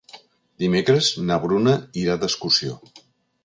Dimecres na Bruna irà d'excursió.